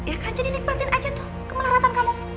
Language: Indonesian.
ya kan jadi nikmatin aja tuh kemenaratan kamu